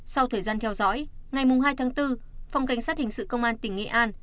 sau thời gian theo dõi ngày hai tháng bốn phòng cảnh sát hình sự công an tỉnh nghệ an